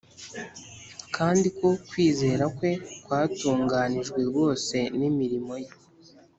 kandi ko kwizera kwe kwatunganijwe rwose n’imirimo ye,